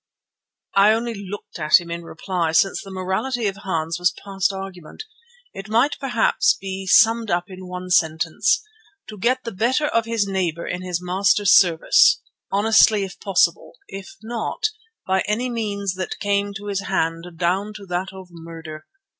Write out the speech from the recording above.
I only looked at him in reply, since the morality of Hans was past argument. It might perhaps be summed up in one sentence: To get the better of his neighbour in his master's service, honestly if possible; if not, by any means that came to his hand down to that of murder.